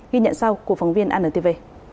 ghi nhận sau của phóng viên anntv